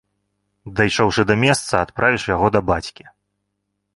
Дайшоўшы да месца, адправіш яго да бацькі.